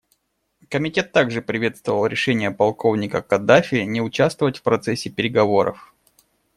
Комитет также приветствовал решение полковника Каддафи не участвовать в процессе переговоров.